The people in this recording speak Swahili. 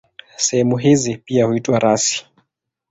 Sehemu hizi pia huitwa rasi.